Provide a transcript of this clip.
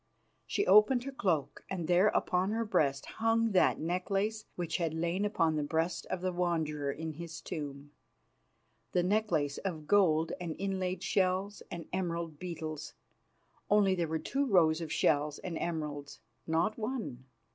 She opened her cloak, and there upon her breast hung that necklace which had lain upon the breast of the Wanderer in his tomb, the necklace of gold and inlaid shells and emerald beetles, only there were two rows of shells and emeralds, not one.